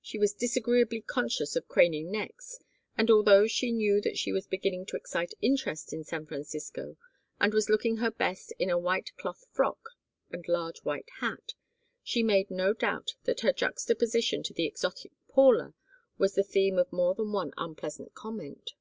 She was disagreeably conscious of craning necks, and although she knew that she was beginning to excite interest in San Francisco, and was looking her best in a white cloth frock and large white hat, she made no doubt that her juxtaposition to the exotic Paula was the theme of more than one unpleasant comment.